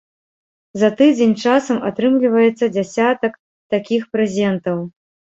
За тыдзень часам атрымліваецца дзясятак такіх прэзентаў.